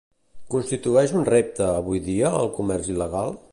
Constitueix un repte, avui dia, el comerç il·legal?